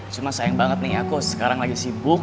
cuma sayang banget nih aku sekarang lagi sibuk